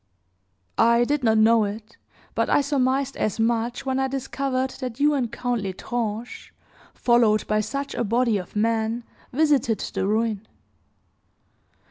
"I did not know it; but I surmised as much when I discovered that you and Count L'Estrange, followed by such a body of men, visited the ruin.